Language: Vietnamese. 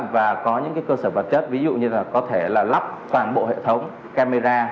và có những cơ sở vật chất ví dụ như là có thể là lắp toàn bộ hệ thống camera